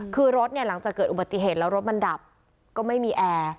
คือรถเนี่ยหลังจากเกิดอุบัติเหตุแล้วรถมันดับก็ไม่มีแอร์